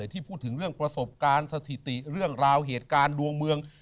ที่พูดถึงเรื่องประสบการณ์สถิติเรื่องราวเหตุการณ์ดวงเมือง